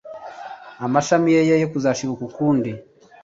amashami ye ye kuzashibuka ukundi